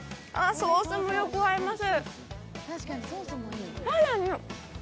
ソースもよく合います。